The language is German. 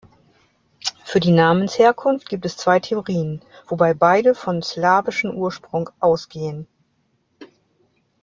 Für die Namensherkunft gibt es zwei Theorien, wobei beide von slawischen Ursprung ausgehen.